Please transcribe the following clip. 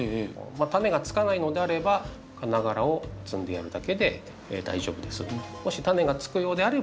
種がつかないのであれば花がらを摘んでやるだけで大丈夫です。